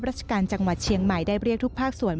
ราชการจังหวัดเชียงใหม่ได้เรียกทุกภาคส่วน